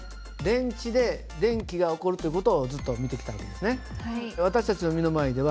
電池で電気が起こるという事をずっと見てきた訳ですね。